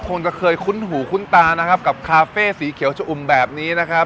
คงจะเคยคุ้นหูคุ้นตานะครับกับคาเฟ่สีเขียวชะอุ่มแบบนี้นะครับ